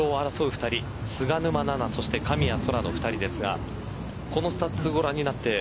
２人菅沼菜々そして神谷そらの２人ですがこのスタッツ、ご覧になって